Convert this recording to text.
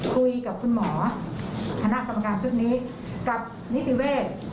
คุยกับคุณหมอคณะกรรมการชุดนี้กับนิติเวศ